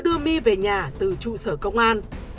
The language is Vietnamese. đưa my về nhà từ trụ sở công an